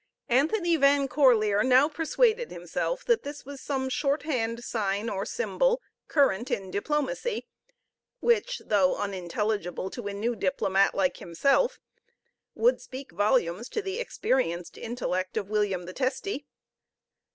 Anthony Van Corlear now persuaded himself that this was some short hand sign or symbol, current in diplomacy, which, though unintelligible to a new diplomat like himself, would speak volumes to the experienced intellect of William the Testy.